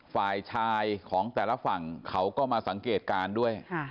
ฝ่ายชายของแต่ละฝั่งเขาก็มาสังเกตการณ์ด้วย